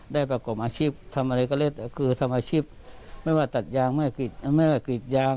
ประกอบอาชีพทำอะไรก็แล้วแต่คือทำอาชีพไม่ว่าตัดยางไม่ว่ากรีดยาง